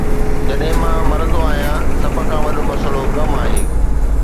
جڏهن مان مرندو آهيان، سڀ کان وڏو مسئلو غم آهي